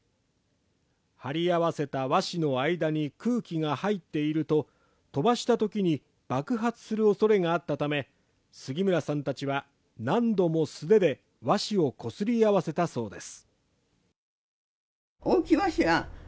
貼り合わせた和紙の間に空気が入っていると飛ばしたときに爆発するおそれがあったため、杉村さんたちは、何度も素手で和紙をこすり合わせたそうです。